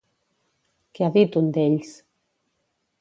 Què ha dit un d'ells?